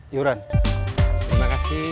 yuran terima kasih